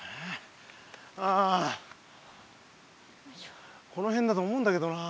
ああこのへんだと思うんだけどなあ。